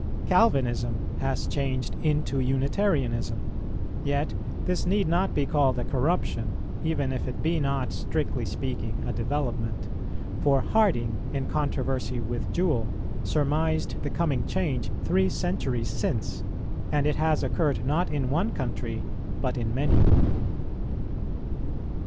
Calvinism has changed into Unitarianism: yet this need not be called a corruption, even if it be not, strictly speaking, a development; for Harding, in controversy with Jewell, surmised the coming change three centuries since, and it has occurred not in one country, but in many.